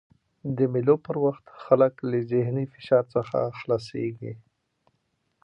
د مېلو پر وخت خلک له ذهني فشار څخه خلاصيږي.